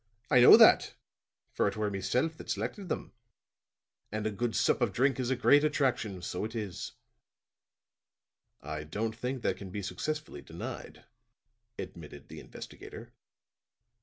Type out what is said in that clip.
"I know that, for it were meself that selected them. And a good sup of drink is a great attraction, so it is." "I don't think that can be successfully denied," admitted the investigator.